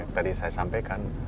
tadi saya sampaikan